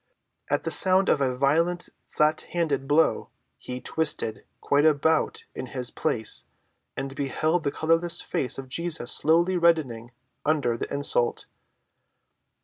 At sound of a violent, flat‐handed blow, he twisted quite about in his place and beheld the colorless face of Jesus slowly reddening under the insult.